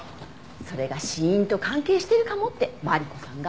それが死因と関係してるかもってマリコさんが。